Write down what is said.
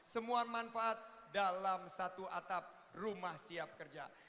semua manfaat dalam satu atap rumah siap kerja